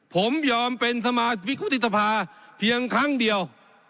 ผมยอมเป็นสมาชิกวุฒิสภาเพียงครั้งเดียว